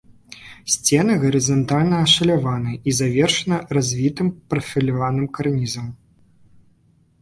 Сцены гарызантальна ашаляваны і завершаны развітым прафіляваным карнізам.